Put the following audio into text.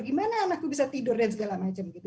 gimana anakku bisa tidur dan segala macam gitu